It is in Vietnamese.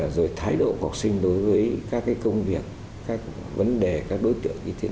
rồi thái độ của học sinh đối với các công việc các vấn đề các đối tượng như thế nào